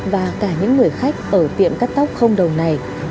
và cả những người khách ở tiệm cắt tóc không đồng này